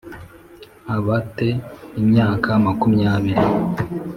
aba te imyaka makumyabiri